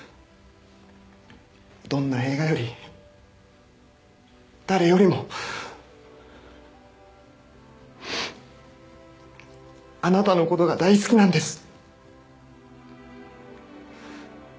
どんな映画より誰よりもあなたのことが大好きなんです。